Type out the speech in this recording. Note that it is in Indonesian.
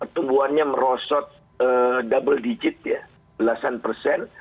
pertumbuhannya merosot double digit ya belasan persen